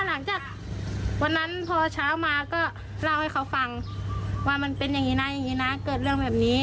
หลังจากวันนั้นพอเช้ามาก็เล่าให้เขาฟังว่ามันเป็นอย่างนี้นะอย่างนี้นะเกิดเรื่องแบบนี้